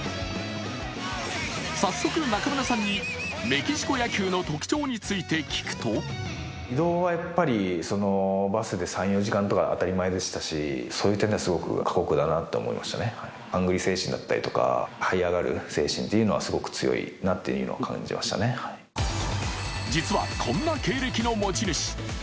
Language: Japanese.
早速、中村さんにメキシコ野球の特徴について聞くと実は、こんな経歴の持ち主。